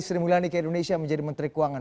sri mulyani ke indonesia menjadi menteri keuangan